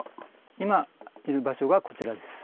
今いる場所がこちらです。